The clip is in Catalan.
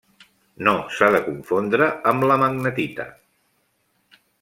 No s'ha de confondre amb la magnetita.